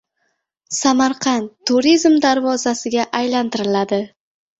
Samarqand “Turizm darvozasi”ga aylantiriladi